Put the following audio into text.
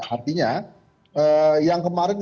artinya yang kemarin